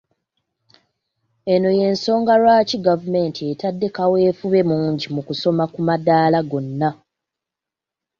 Eno y'ensonga lwaki gavumenti etadde kaweefube mungi mu kusoma ku maddaala gonna